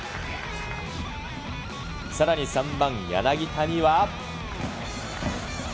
さらに３番柳田には。